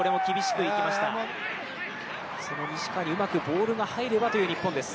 西川にうまくボールが入ればという日本です。